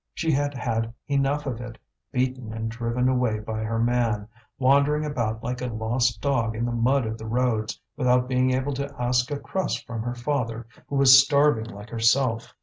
She had had enough of it, beaten and driven away by her man, wandering about like a lost dog in the mud of the roads, without being able to ask a crust from her father, who was starving like herself.